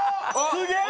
すげえ！